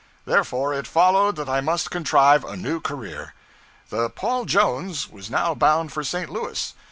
Therefore it followed that I must contrive a new career. The 'Paul Jones' was now bound for St. Louis.